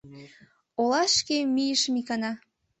— Олашке мийышым икана.